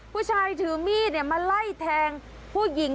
ผู้ชายถือมีดมาไล่แทงผู้หญิง